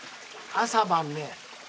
朝晩ね